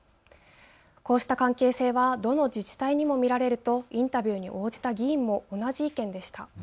こうした関係性はどの自治体にも見られるとインタビューに応じた議員も同じ意見でした。